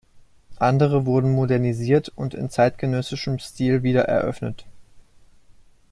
Andere wurden modernisiert und in zeitgenössischem Stil wiedereröffnet.